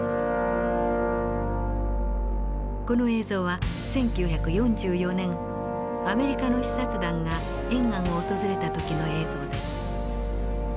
この映像は１９４４年アメリカの視察団が延安を訪れた時の映像です。